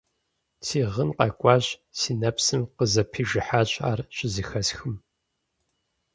Си гъын къэкӀуащ, си нэпсым къызэпижыхьащ, ар щызэхэсхым…